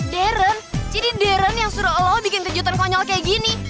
darren jadi darren yang suruh lo bikin kejutan konyol kayak gini